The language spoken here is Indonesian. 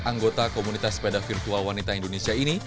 anggota komunitas sepeda virtual wanita indonesia ini